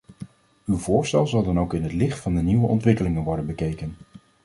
Uw voorstel zal dan ook in het licht van de nieuwe ontwikkelingen worden bekeken.